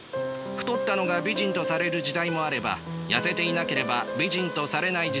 太ったのが美人とされる時代もあれば痩せていなければ美人とされない時代もある。